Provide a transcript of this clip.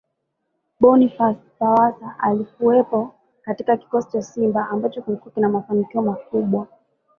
Boniface Pawasa Alikuwepo katika kikosi cha Simba ambacho kilikuwa na mafanikio makubwa